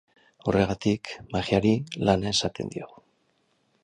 Horregatik, magiari lana esaten diogu.